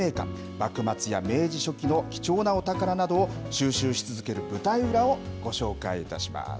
幕末や明治初期の貴重なお宝などを収集し続ける舞台裏をご紹介いたします。